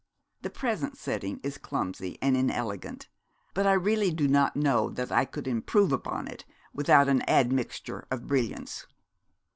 The present setting is clumsy and inelegant; but I really do not know that I could improve upon it, without an admixture of brilliants.'